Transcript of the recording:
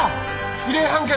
異例判決！」